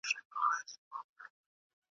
بس د اوښکو په لمن کي په خپل زخم کی اوسېږم `